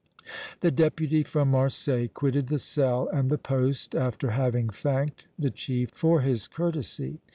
The Deputy from Marseilles quitted the cell and the poste, after having thanked the chief for his courtesy.